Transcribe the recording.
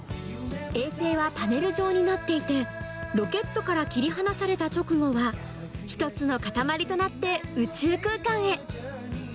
衛星はパネル状になっていて、ロケットから切り離された直後は、１つの固まりとなって宇宙空間へ。